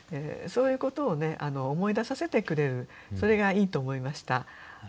そういうことをね思い出させてくれるそれがいいと思いました。